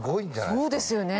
そうですよね。